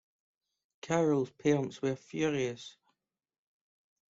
Carol's parents were furious.